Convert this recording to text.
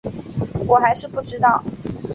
我还是不知道